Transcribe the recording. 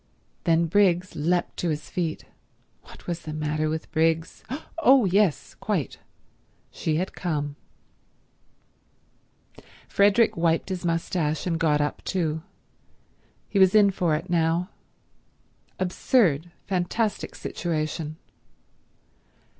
Then Briggs leapt to his feet. What was the matter with Briggs? Oh—yes—quite: she had come. Frederick wiped his moustache and got up too. He was in for it now. Absurd, fantastic situation.